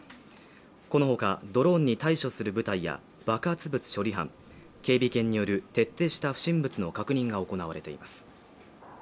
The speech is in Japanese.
この他、ドローンに対処する部隊や爆発物処理班警備犬による徹底した不審物の確認が行われています。